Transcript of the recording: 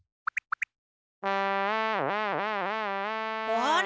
あれ？